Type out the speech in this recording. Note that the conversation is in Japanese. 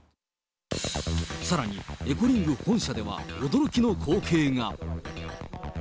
さらに、エコリング本社では驚きの光景が。